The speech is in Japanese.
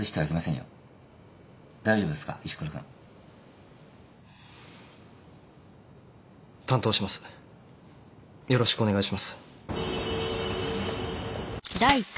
よろしくお願いします。